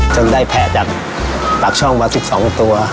จนได้แผลจากปากช่องมา๑๒ตัว